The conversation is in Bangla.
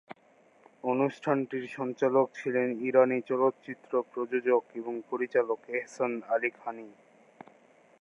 অনুষ্ঠানটির সঞ্চালক ছিলেন ইরানি চলচ্চিত্র প্রযোজক এবং পরিচালক এহসান আলিখানি।